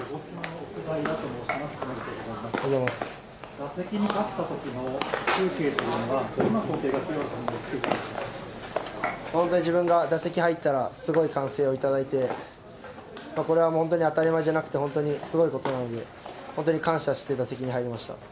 打席に立ったときの風景というのは、本当に自分が打席入ったら、すごい歓声を頂いて、これはもう本当に当たり前じゃなくて、本当にすごいことなので、本当に感謝して打席に入りました。